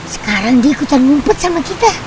sekarang diikutan ngumpet sama kita